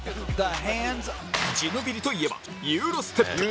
ジノビリといえばユーロステップ